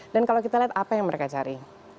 dan kalau kita lihat apa yang mereka cari